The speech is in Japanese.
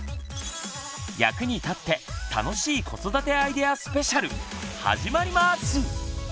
役に立って楽しい「子育てアイデアスペシャル！」始まります！